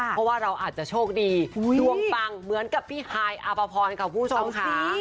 เพราะว่าเราอาจจะโชคดีดวงปังเหมือนกับพี่ฮายอาภพรค่ะคุณผู้ชมค่ะ